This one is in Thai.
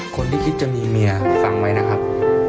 คนที่คิดจะมีเมียฟังไว้นะครับ